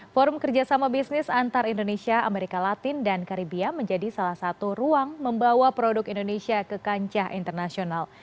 forum kerjasama bisnis antar indonesia amerika latin dan karibia menjadi salah satu ruang membawa produk indonesia ke kancah internasional